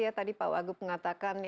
ya tadi pak wagub mengatakan